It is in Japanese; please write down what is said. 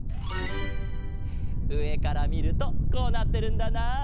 うえからみるとこうなってるんだなあ。